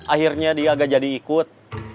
akhirnya dia agak jadi ikut